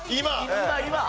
今？